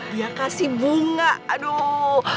dia kasih bunga aduh